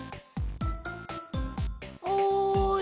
おい！